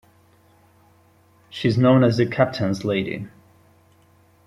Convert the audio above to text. She is known as the Captain's Lady.